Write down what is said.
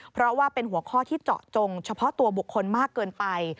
เพราะว่าเป็นหัวข้อที่เจาะจงเฉพาะตัวบุคคลมากเกินไป